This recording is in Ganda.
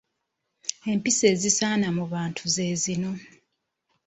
Empisa ezisaana mu bantu ze zino.